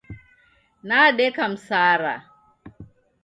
Nadeka Msara.